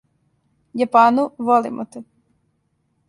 Јапану, волимо те!